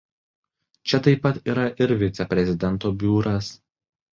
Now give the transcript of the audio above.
Čia taip pat yra ir viceprezidento biuras.